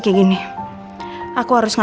terima kasih reina